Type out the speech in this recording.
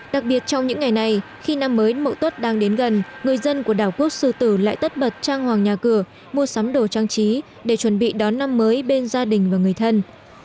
đặc biệt trong những ngày này khi năm mới mậu tuất đang đến gần người dân của đảo quốc sư tử lại tất bật trang hoàng nhà cửa mua sắm đồ trang trí để chuẩn bị đón năm mới bên gia đình và người thân